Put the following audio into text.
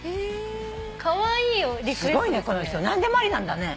すごいねこの人何でもありなんだね。